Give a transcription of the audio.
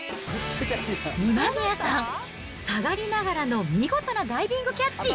今宮さん、下がりながらの見事なダイビングキャッチ。